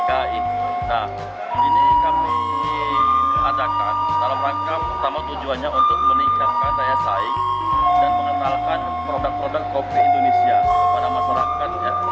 nah ini kami adakan dalam rangka pertama tujuannya untuk meningkatkan daya saing dan mengenalkan produk produk kopi indonesia kepada masyarakat